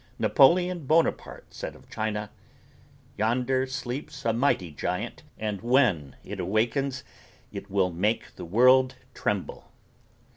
Napoleon Bonaparte said of China, "Yonder sleeps a mighty giant and when it awakens it will make the whole world tremble."